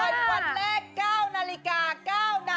วันแรก๙นาฬิกา๙นาที